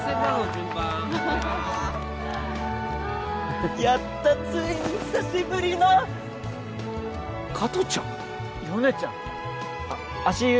順番やったついに久しぶりの加トちゃん米ちゃん足湯